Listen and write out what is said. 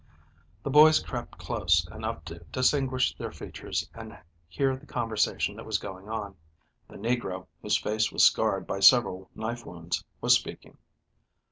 The boys crept close enough to distinguish their features and hear the conversation that was going on. The negro, whose face was scarred by several knife wounds, was speaking.